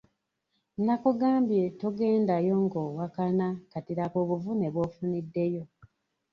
Nakugambye togendayo nga owakana kati laba obuvune bw'ofuniddeyo.